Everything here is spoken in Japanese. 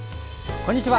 こんにちは。